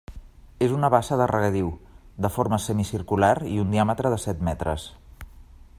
És una bassa de regadiu, de forma semicircular i un diàmetre de set metres.